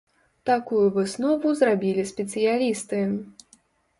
Такую выснову зрабілі спецыялісты.